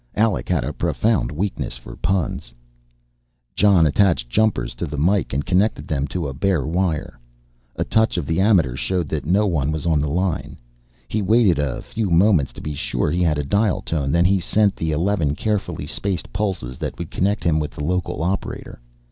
Alec had a profound weakness for puns. Jon attached jumpers to the mike and connected them to the bare wire. A touch of the ammeter showed that no one was on the line. He waited a few moments to be sure he had a dial tone then sent the eleven carefully spaced pulses that would connect him with the local operator.